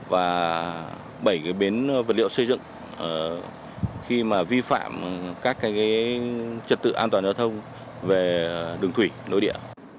và bảy bến vật liệu xây dựng khi mà vi phạm các trật tự an toàn giao thông về đường thủy nội địa